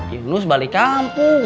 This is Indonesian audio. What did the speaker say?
yunus balik kampung